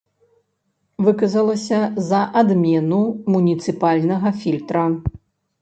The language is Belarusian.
Выказалася за адмену муніцыпальнага фільтра.